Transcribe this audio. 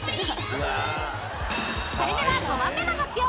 ［それでは５番目の発表］